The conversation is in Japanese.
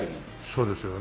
そうですよね。